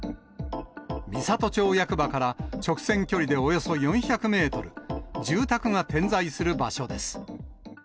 美郷町役場から直線距離でおよそ４００メートル、住宅が点在する場所です。